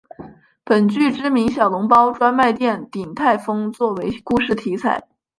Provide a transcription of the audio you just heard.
本剧知名小笼包专卖店鼎泰丰做为故事题材。